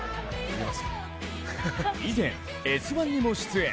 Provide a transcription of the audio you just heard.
以前、「Ｓ☆１」にも出演。